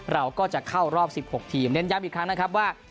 เราก็จะเข้ารอบ๑๖ทีมเน้นย้ำอีกครั้งนะครับว่า